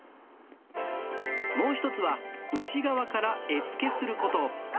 もう一つは、内側から絵付けすること。